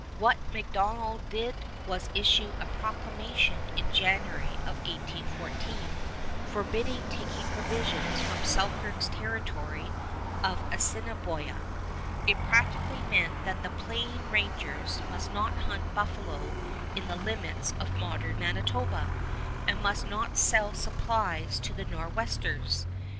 What MacDonell did was issue a proclamation in January of 1814, forbidding taking provisions from Selkirk's territory of Assiniboia. It practically meant that the Plain Rangers must not hunt buffalo in the limits of modern Manitoba, and must not sell supplies to the Nor'westers.